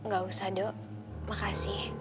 gak usah do makasih